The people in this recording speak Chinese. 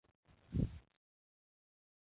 新城数码财经台是新城电台的一个频道。